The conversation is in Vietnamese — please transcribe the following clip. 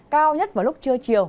cao nhất vào lúc trưa chiều